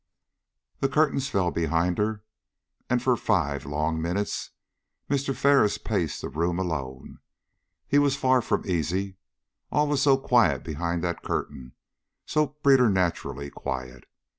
The curtains fell behind her, and for five long minutes Mr. Ferris paced the room alone. He was far from easy. All was so quiet behind that curtain, so preternaturally quiet.